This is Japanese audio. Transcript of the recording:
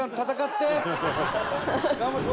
頑張って。